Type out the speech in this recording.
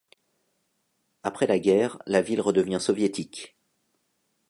Après la guerre, la ville redevient soviétique.